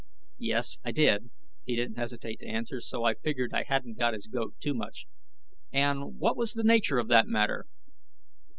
"Yes, I did." He didn't hesitate to answer, so I figured I hadn't got his goat too much. "And what was the nature of that matter?"